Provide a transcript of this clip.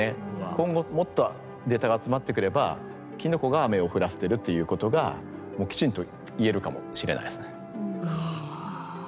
今後もっとデータが集まってくればキノコが雨を降らせてるっていうことがもうきちんといえるかもしれないですね。